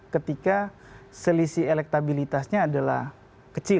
ketika selisih elektabilitasnya adalah kecil